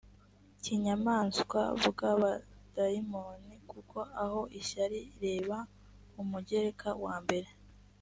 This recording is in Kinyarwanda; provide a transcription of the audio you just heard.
kinyamaswa bw abadayimoni t kuko aho ishyari reba umugereka wa mbere